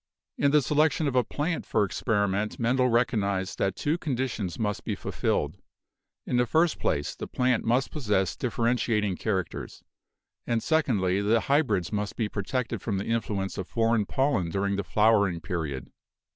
In the selection of a plant for experiment Mendel recog nised that two conditions must be fulfilled. In the first place, the plant must possess differentiating characters, and secondly, the hybrids must be protected from the in fluence of foreign pollen during the flowering period.